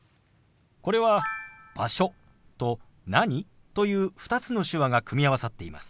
これは「場所」と「何？」という２つの手話が組み合わさっています。